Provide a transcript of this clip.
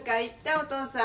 お父さん。